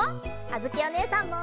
あづきおねえさんも！